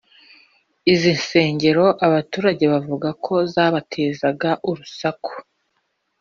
Izi nsengero abaturage bavuga ko zabatezaga urusaku